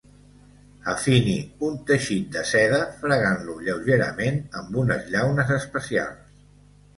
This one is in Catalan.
Afini un teixit de seda fregant-lo lleugerament amb unes llaunes especials.